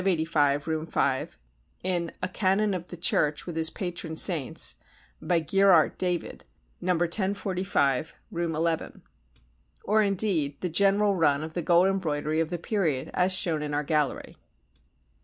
585, Room V; in "A Canon of the Church with his Patron Saints" by Gheeraert David, No. 1045, Room XI; or indeed the general run of the gold embroidery of the period as shown in our gallery.